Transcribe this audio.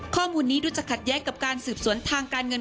ข้อมูลนี้ดูจะขัดแย้งกับการสืบสวนทางการเงิน